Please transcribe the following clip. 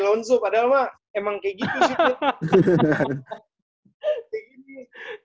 ya kloin sub padahal mah emang kayak gitu shootnya